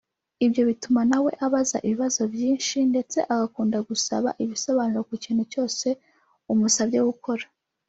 Ibyo bituma na we abaza ibibazo byinshi ndetse agakunda gusaba ibisobanuro ku kintu cyose umusabye gukora